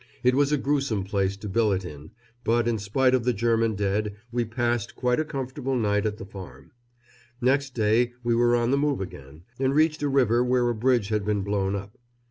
It was a gruesome place to billet in; but in spite of the German dead we passed quite a comfortable night at the farm. Next day we were on the move again, and reached a river where a bridge had been blown up.